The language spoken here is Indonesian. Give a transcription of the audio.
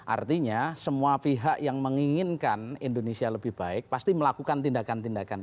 artinya semua pihak yang menginginkan indonesia lebih baik pasti melakukan tindakan tindakan